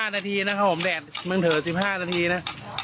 ๕นาทีนะครับผมแดดมึงเผลอ๑๕นาทีนะ